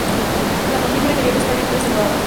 La mandíbula inferior está bien preservada.